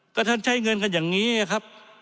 ก็ท่านใช้เงินกันอย่างนี้ครับ